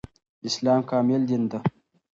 اسلام کامل دين ده